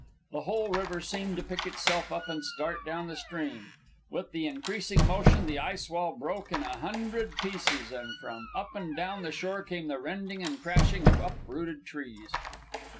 The whole river seemed to pick itself up and start down the stream. With the increasing motion the ice wall broke in a hundred places, and from up and down the shore came the rending and crashing of uprooted trees.